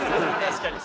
確かに。